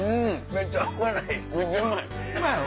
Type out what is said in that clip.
めっちゃうまい！